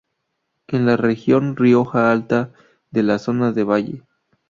En la región Rioja Alta, de la zona de Valle.